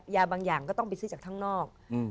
ยาบางอย่างก็ต้องไปซื้อจากข้างนอก